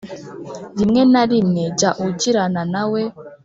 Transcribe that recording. rimwe na rimwe, jya ugirana nawe